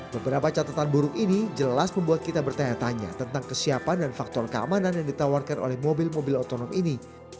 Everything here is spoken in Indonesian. beberapa catatan buruk ini jelas membuat kita bertanya tanya tentang kesiapan dan faktor keamanan yang ditawarkan oleh mobil mobil otonom ini